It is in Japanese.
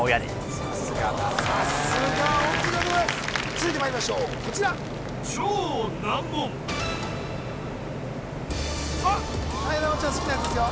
さすがだね続いてまいりましょうこちらあなえなのちゃん好きなやつですよ